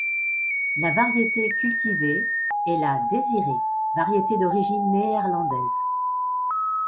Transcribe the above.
La variété cultivée est la 'Désirée', variété d'origine néerlandaise.